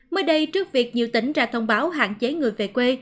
mới đây trước việc nhiều tỉnh ra thông báo hạn chế người về quê